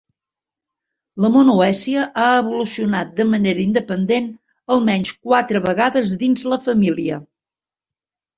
La monoècia ha evolucionar de manera independent almenys quatre vegades dins la família.